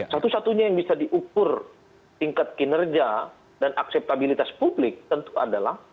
satu satunya yang bisa diukur tingkat kinerja dan akseptabilitas publik tentu adalah